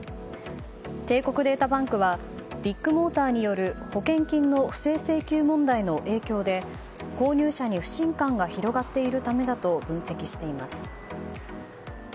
帝国データバンクはビッグモーターによる保険金の不正請求問題の影響で購入者に不信感が広がっているためだと分析しています。